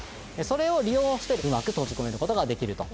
それを利用してうまく閉じ込めることができると。